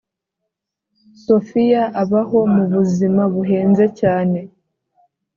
sofia abaho mu buzima buhenze cyane